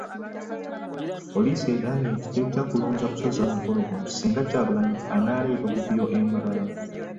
Poliisi egamba nti tejja kulonza kusazaamu mukolo guno singa Kyagulanyi anaaleeta obuvuyo e Mbarara.